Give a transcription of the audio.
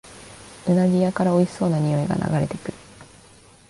うなぎ屋からおいしそうなにおいが流れてくる